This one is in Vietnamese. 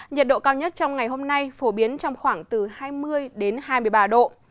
nhiệt độ cao nhất trong ngày hôm nay phổ biến trong khoảng từ hai mươi đến hai mươi ba độ